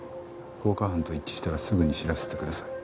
放火犯と一致したらすぐに知らせてください。